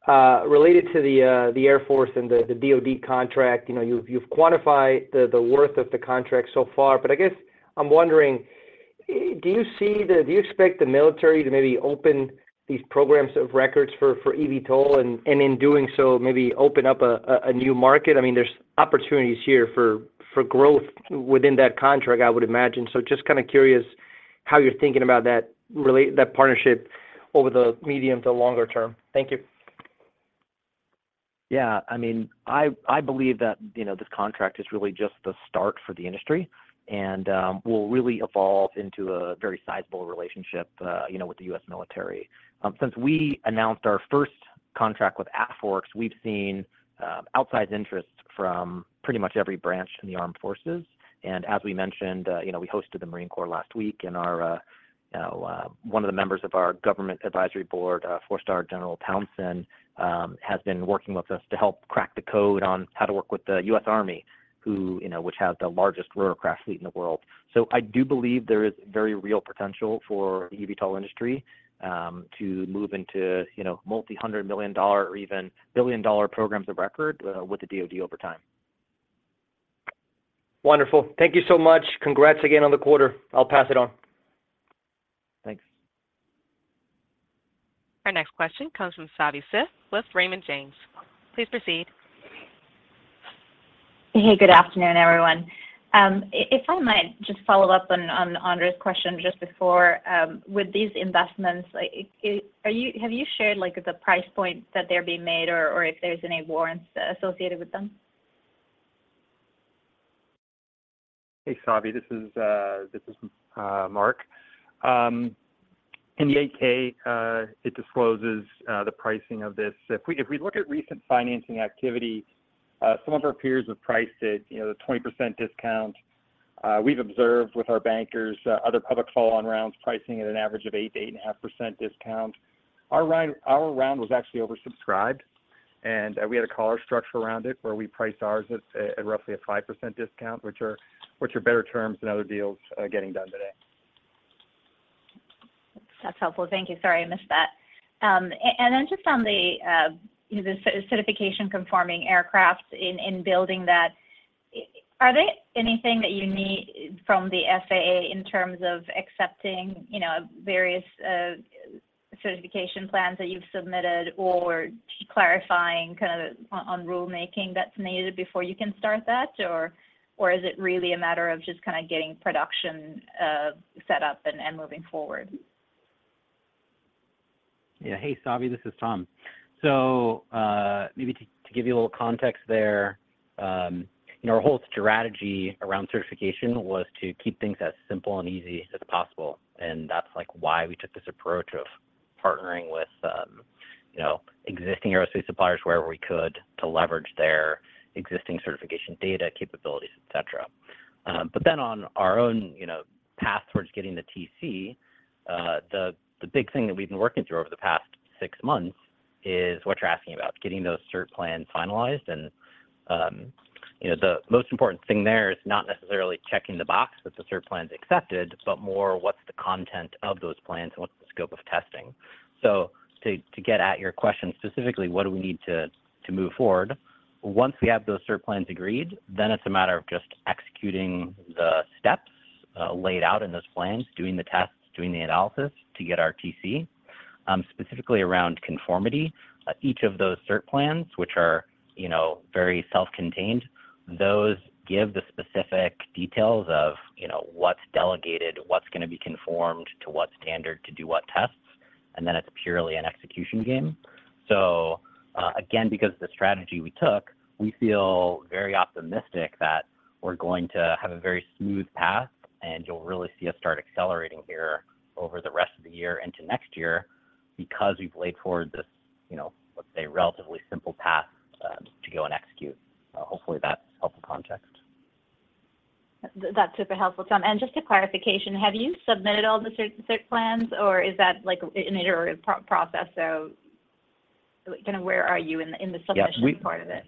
Related to the Air Force and the DoD contract, you know, you've, you've quantified the worth of the contract so far, but I guess I'm wondering, do you expect the military to maybe open these Programs of Record for eVTOL, and, and in doing so, maybe open up a new market? I mean, there's opportunities here for, for growth within that contract, I would imagine. Just kind of curious how you're thinking about that partnership over the medium to longer term. Thank you. Yeah. I mean, I, I believe that, you know, this contract is really just the start for the industry and will really evolve into a very sizable relationship, you know, with the U.S. military. Since we announced our first contract with AFWERX, we've seen outsized interest from pretty much every branch in the armed forces. As we mentioned, you know, we hosted the Marine Corps last week, and our, you know, one of the members of our government advisory board, Four-Star General Townsend, has been working with us to help crack the code on how to work with the U.S. Army, who, you know, which has the largest rotorcraft fleet in the world. I do believe there is very real potential for the eVTOL industry, to move into, you know, multi-hundred million dollar or even billion-dollar programs of record, with the DoD over time. Wonderful. Thank you so much. Congrats again on the quarter. I'll pass it on. Thanks. Our next question comes from Savi Syth with Raymond James. Please proceed. Hey, good afternoon, everyone. If I might just follow up on, on Andres' question just before, with these investments, like, have you shared, like, the price point that they're being made or, or if there's any warrants associated with them? Hey, Savi, this is Mark. In the 8-K, it discloses the pricing of this. If we look at recent financing activity, some of our peers have priced it, you know, the 20% discount. We've observed with our bankers, other public follow-on rounds pricing at an average of 8%-8.5% discount. Our round, our round was actually oversubscribed, and we had a caller structure around it, where we priced ours at roughly a 5% discount, which are better terms than other deals getting done today. That's helpful. Thank you. Sorry, I missed that. Then just on the, you know, the certification-conforming aircraft in, in building that, are there anything that you need from the FAA in terms of accepting, you know, various, Certification Plans that you've submitted or clarifying kind of on rulemaking that's needed before you can start that? Or is it really a matter of just kind of getting production set up and, and moving forward? Yeah. Hey, Savi, this is Tom. Maybe to, to give you a little context there, you know, our whole strategy around certification was to keep things as simple and easy as possible, and that's, like, why we took this approach of partnering with, you know, existing aerospace suppliers where we could to leverage their existing certification data, capabilities, et cetera. Then on our own, you know, path towards getting the TC, the, the big thing that we've been working through over the past six months is what you're asking about, getting those cert plans finalized. You know, the most important thing there is not necessarily checking the box that the cert plan's accepted, but more what's the content of those plans and what's the scope of testing. To get at your question, specifically, what do we need to move forward? Once we have those Cert Plans agreed, then it's a matter of just executing the steps laid out in those plans, doing the tests, doing the analysis to get our TC, specifically around conformity. Each of those Cert Plans, which are, you know, very self-contained, those give the specific details of, you know, what's delegated, what's gonna be conformed to what standard to do what tests, and then it's purely an execution game. Again, because of the strategy we took, we feel very optimistic that we're going to have a very smooth path, and you'll really see us start accelerating here over the rest of the year into next year because we've laid forward this, you know, let's say, relatively simple path to go and execute. Hopefully, that's helpful context. That's super helpful, Tom. just a clarification, have you submitted all the Cert Plans, or is that, like, an iterative process? kind of where are you in the submission- Yeah. part of it?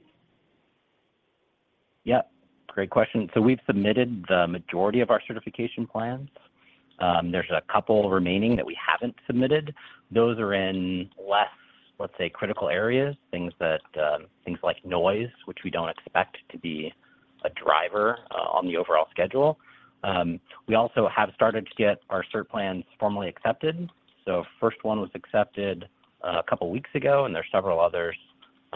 Yep, great question. We've submitted the majority of our certification plans. There's a couple remaining that we haven't submitted. Those are in less, let's say, critical areas, things that, things like noise, which we don't expect to be a driver, on the overall schedule. We also have started to get our cert plans formally accepted. First one was accepted, a couple weeks ago, and there are several others,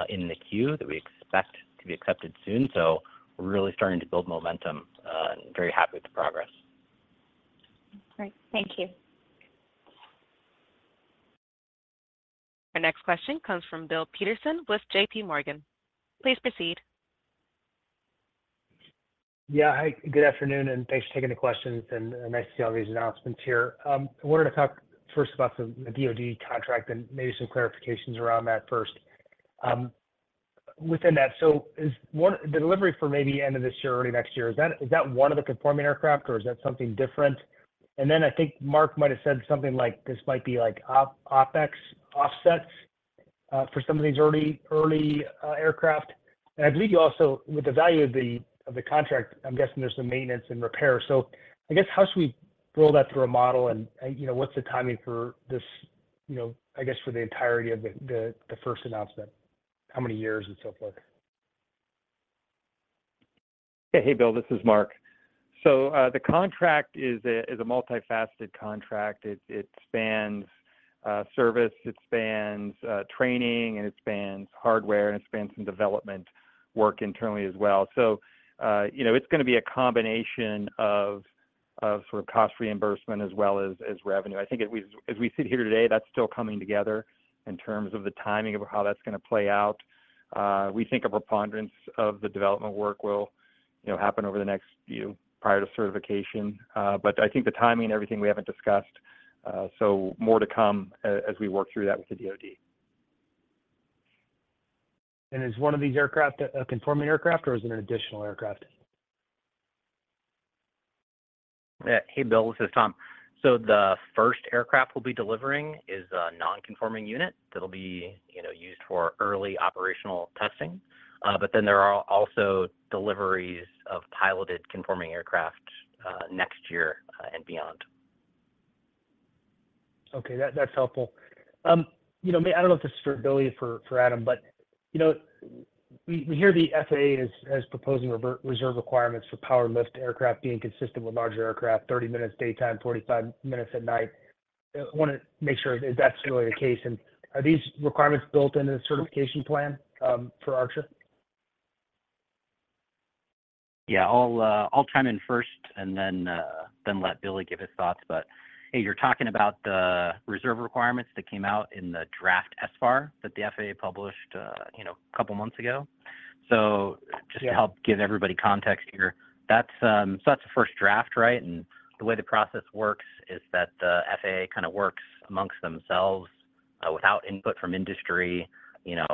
in the queue that we expect to be accepted soon. We're really starting to build momentum, and very happy with the progress. Great. Thank you. Our next question comes from Bill Peterson with JPMorgan. Please proceed. Yeah. Hi, good afternoon, thanks for taking the questions, nice to see all these announcements here. I wanted to talk first about the, the DoD contract maybe some clarifications around that first. Within that, the delivery for maybe end of this year or early next year, is that, is that one of the Conforming Aircraft, or is that something different? Then I think Mark might have said something like, this might be like OpEx offsets for some of these early, early aircraft. I believe you also, with the value of the, of the contract, I'm guessing there's some maintenance and repair. I guess, how should we build that through a model? You know, what's the timing for this, you know, I guess, for the entirety of the, the, the first announcement? How many years and so forth? Hey, Bill, this is Mark. The contract is a, is a multifaceted contract. It, it spans service, it spans training, and it spans hardware, and it spans some development work internally as well. You know, it's gonna be a combination of, of sort of cost reimbursement as well as, as revenue. I think as we, as we sit here today, that's still coming together in terms of the timing of how that's gonna play out. We think a preponderance of the development work will, you know, happen over the next few, prior to certification. I think the timing and everything we haven't discussed, so more to come as we work through that with the DoD. Is one of these aircraft a Conforming Aircraft, or is it an additional aircraft? Hey, Bill, this is Tom. The first aircraft we'll be delivering is a non-conforming unit that'll be, you know, used for early operational testing. But then there are also deliveries of piloted Conforming Aircraft, next year, and beyond. Okay, that, that's helpful. you know, I don't know if this is for Billy or for, for Adam, but, you know, we, we hear the FAA is, is proposing reserve requirements for Powered Lift aircraft being consistent with larger aircraft, 30 minutes daytime, 45 minutes at night. want to make sure if that's really the case, and are these requirements built into the Certification Plan, for Archer? Yeah, I'll, I'll chime in first and then, then let Billy give his thoughts. Hey, you're talking about the reserve requirements that came out in the draft SFAR that the FAA published, you know, a couple of months ago. Yeah... just to help give everybody context here, that's, that's the first draft, right? The way the process works is that the FAA kind of works amongst themselves, without input from industry, you know,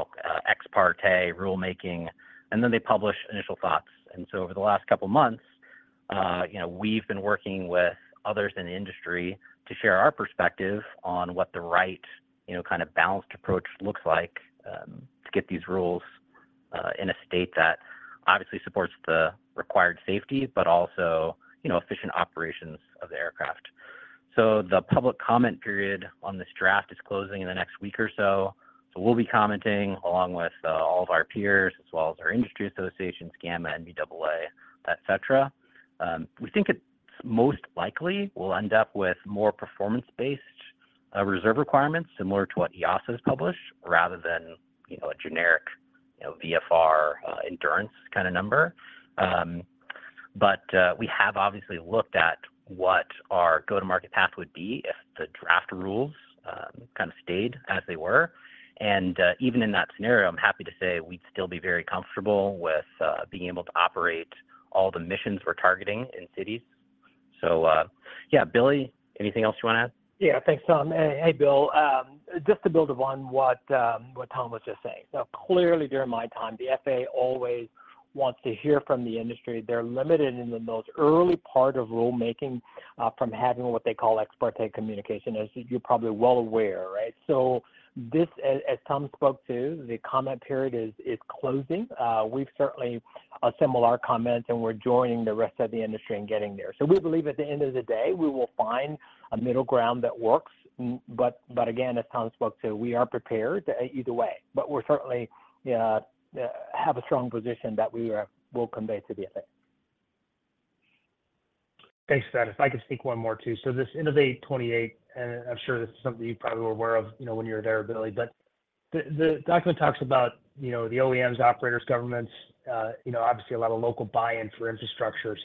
ex parte rulemaking, and then they publish initial thoughts. Over the last couple of months, you know, we've been working with others in the industry to share our perspective on what the right, you know, kind of balanced approach looks like, to get these rules in a state that obviously supports the required safety, but also, you know, efficient operations of the aircraft. The public comment period on this draft is closing in the next week or so. We'll be commenting along with all of our peers, as well as our industry associations, GAMA, NBAA, et cetera. We think it's most likely we'll end up with more performance-based reserve requirements, similar to what EASA has published, rather than, you know, a generic, you know, VFR endurance kind of number. We have obviously looked at what our go-to-market path would be if the draft rules kind of stayed as they were. Even in that scenario, I'm happy to say we'd still be very comfortable with being able to operate all the missions we're targeting in cities. Yeah, Billy, anything else you want to add? Yeah, thanks, Tom. Hey, Bill, just to build upon what Tom was just saying. Clearly, during my time, the FAA always wants to hear from the industry. They're limited in the most early part of rulemaking, from having what they call ex parte communication, as you're probably well aware, right? This, as, as Tom spoke to, the comment period is, is closing. We've certainly assembled our comments, and we're joining the rest of the industry in getting there. We believe at the end of the day, we will find a middle ground that works. But again, as Tom spoke to, we are prepared either way. We're certainly have a strong position that we will convey to the FAA. Thanks for that. If I could speak one more, too. This Innovate28, and I'm sure this is something you probably were aware of, you know, when you were there, Billy, the, the document talks about, you know, the OEMs, operators, governments, you know, obviously a lot of local buy-in for infrastructure.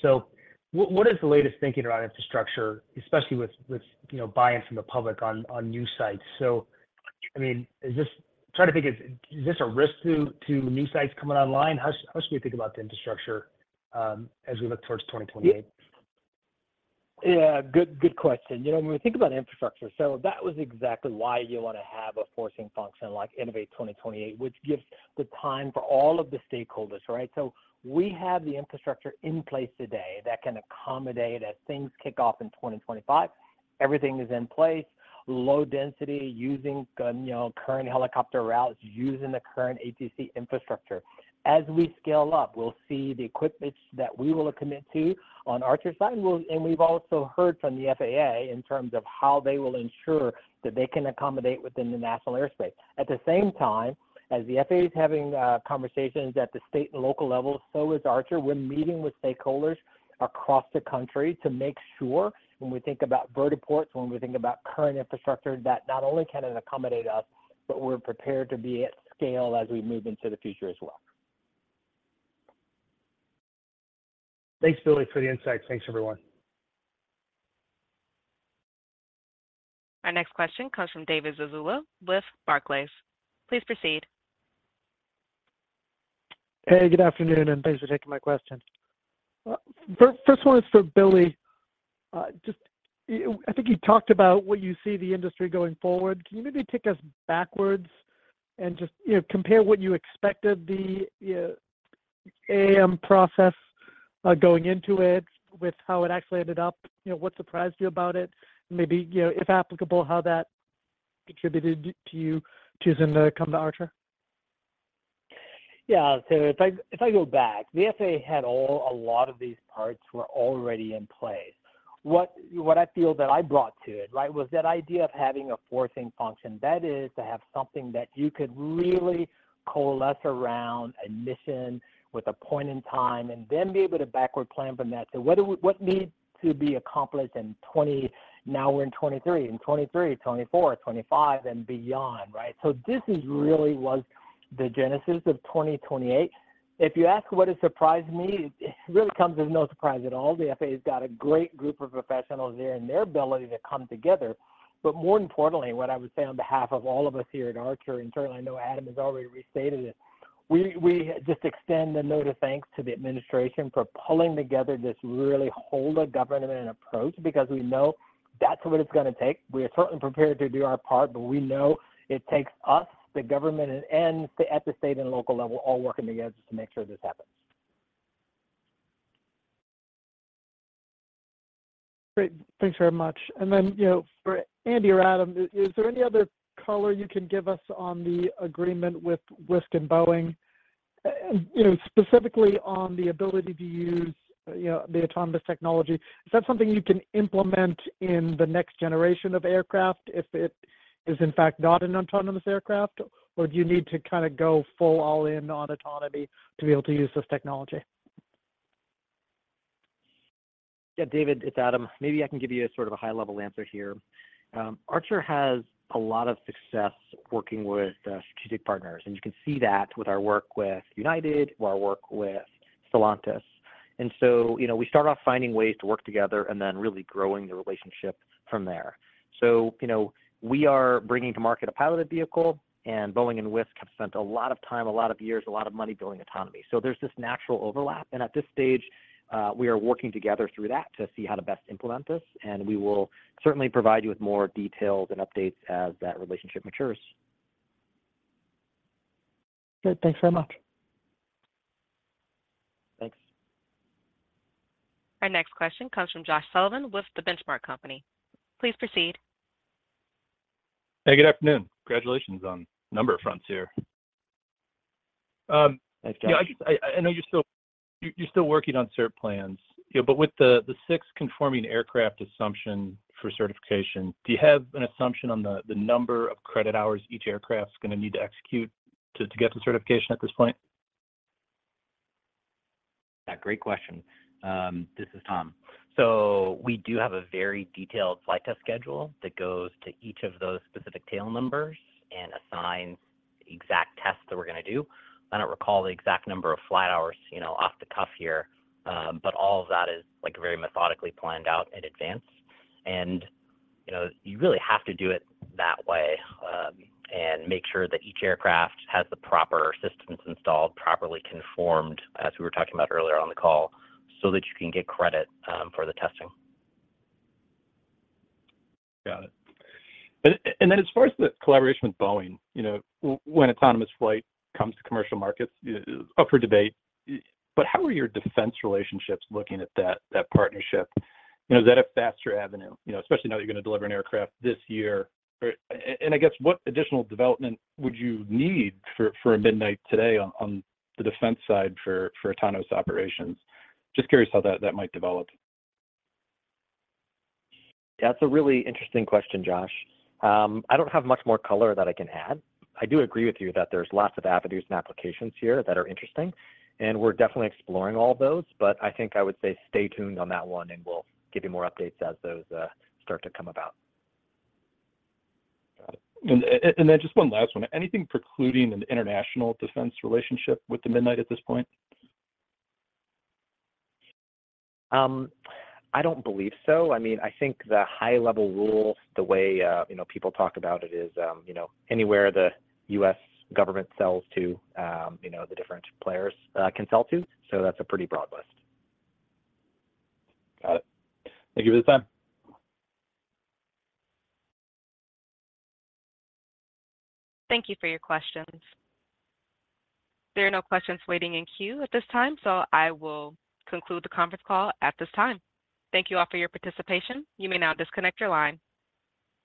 What is the latest thinking around infrastructure, especially with, with, you know, buy-in from the public on, on new sites? I mean, trying to think, is this a risk to, to new sites coming online? How should we think about the infrastructure as we look towards 2028? Yeah, good, good question. You know, when we think about infrastructure, that was exactly why you want to have a forcing function like Innovate28, which gives the time for all of the stakeholders, right? We have the infrastructure in place today that can accommodate as things kick off in 2025. Everything is in place, low density, using, you know, current helicopter routes, using the current ATC infrastructure. As we scale up, we'll see the equipments that we will commit to on Archer's side. And we've also heard from the FAA in terms of how they will ensure that they can accommodate within the national airspace. At the same time, as the FAA is having conversations at the state and local level, so is Archer. We're meeting with stakeholders across the country to make sure when we think about vertiports, when we think about current infrastructure, that not only can it accommodate us, but we're prepared to be at scale as we move into the future as well. Thanks, Billy, for the insights. Thanks, everyone. Our next question comes from David Zazula with Barclays. Please proceed. Hey, good afternoon, and thanks for taking my question. First, first one is for Billy. Just, I think you talked about where you see the industry going forward. Can you maybe take us backwards and just, you know, compare what you expected the AAM process going into it with how it actually ended up? You know, what surprised you about it? And maybe, you know, if applicable, how that contributed to you choosing to come to Archer? If I, if I go back, the FAA had a lot of these parts were already in play. What, what I feel that I brought to it, right, was that idea of having a forcing function. That is, to have something that you could really coalesce around a mission with a point in time, and then be able to backward plan from that. What needs to be accomplished in 2020? Now we're in 2023. In 2023, 2024, 2025, and beyond, right? This is really was the genesis of 2028. If you ask what has surprised me, it, it really comes as no surprise at all. The FAA's got a great group of professionals there, and their ability to come together. More importantly, what I would say on behalf of all of us here at Archer, and certainly I know Adam has already restated it, we just extend a note of thanks to the administration for pulling together this really whole of government approach, because we know that's what it's gonna take. We are certainly prepared to do our part. We know it takes us, the government, and, at the state and local level, all working together to make sure this happens. Great. Thanks very much. Then, you know, for Andy or Adam, is there any other color you can give us on the agreement with Wisk and Boeing? You know, specifically on the ability to use, you know, the autonomous technology, is that something you can implement in the next generation of aircraft if it is in fact not an autonomous aircraft? Do you need to kind of go full all in on autonomy to be able to use this technology? Yeah, David, it's Adam. Maybe I can give you a sort of a high-level answer here. Archer has a lot of success working with strategic partners, and you can see that with our work with United or our work with Stellantis. So, you know, we start off finding ways to work together and then really growing the relationship from there. You know, we are bringing to market a piloted vehicle, and Boeing and Wisk have spent a lot of time, a lot of years, a lot of money building autonomy. There's this natural overlap, and at this stage, we are working together through that to see how to best implement this, and we will certainly provide you with more details and updates as that relationship matures. Good. Thanks very much. Thanks. Our next question comes from Josh Sullivan with The Benchmark Company. Please proceed. Hey, good afternoon. Congratulations on a number of fronts here. Thanks, Josh. I know you're still working on Cert Plans, you know, but with the six Conforming Aircraft assumption for certification, do you have an assumption on the number of credit hours each aircraft's gonna need to execute to get the certification at this point? Yeah, great question. This is Tom. We do have a very detailed flight test schedule that goes to each of those specific tail numbers and assigns the exact tests that we're gonna do. I don't recall the exact number of flight hours, you know, off the cuff here, but all of that is, like, very methodically planned out in advance. You know, you really have to do it that way, and make sure that each aircraft has the proper systems installed, properly conformed, as we were talking about earlier on the call, so that you can get credit for the testing. Got it. Then as far as the collaboration with Boeing, you know, when autonomous flight comes to commercial markets, up for debate, but how are your defense relationships looking at that, that partnership? You know, is that a faster avenue, you know, especially now that you're going to deliver an aircraft this year? And I guess what additional development would you need for, for a Midnight today on, on the defense side for, for autonomous operations? Just curious how that, that might develop. That's a really interesting question, Josh. I don't have much more color that I can add. I do agree with you that there's lots of avenues and applications here that are interesting, and we're definitely exploring all of those, but I think I would say stay tuned on that one, and we'll give you more updates as those start to come about. Got it. Then just 1 last one. Anything precluding an international defense relationship with the Midnight at this point? I don't believe so. I mean, I think the high level rules, the way, you know, people talk about it is, you know, anywhere the U.S. government sells to, you know, the different players, can sell to, so that's a pretty broad list. Got it. Thank you for the time. Thank you for your questions. There are no questions waiting in queue at this time. I will conclude the conference call at this time. Thank you all for your participation. You may now disconnect your line.